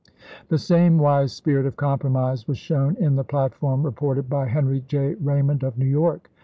The same wise spirit of compromise was shown in the platform reported by Henry J. Raymond of June 8, ism. New York.